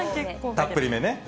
たっぷりめね。